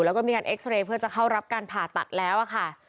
แล้วก็มีการเอ็กซ์เรย์เพื่อจะเข้ารับการผ่าตัดแล้วค่ะ